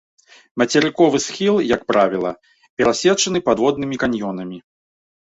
Мацерыковы схіл, як правіла, перасечаны падводнымі каньёнамі.